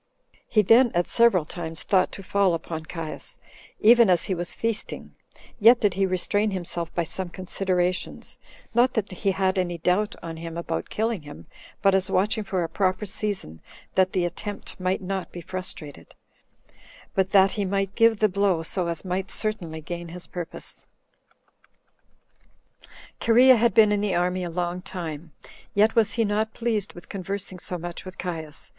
He then at several times thought to fall upon Caius, even as he was feasting; yet did he restrain himself by some considerations; not that he had any doubt on him about killing him, but as watching for a proper season, that the attempt might not be frustrated, but that he might give the blow so as might certainly gain his purpose. 5. Cherea had been in the army a long time, yet was he not pleased with conversing so much with Caius.